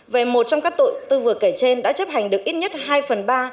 về một trong các tội tôi vừa kể trên đã chấp hành được ít nhất hai phần ba